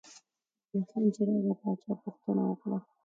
مومن خان چې راغی باچا پوښتنه وکړه.